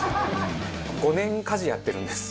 ５年家事やってるんです。